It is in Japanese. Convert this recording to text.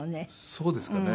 そうですかね。